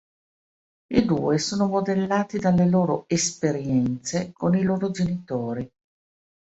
I due sono modellati dalle loro esperienze con i loro genitori.